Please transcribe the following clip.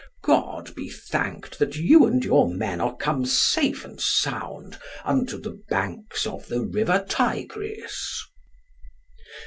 God be thanked that you and your men are come safe and sound unto the banks of the river Tigris.